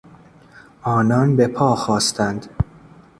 آنان بهپا خاستند.